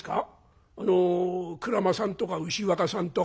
あの鞍馬さんとか牛若さんとか」。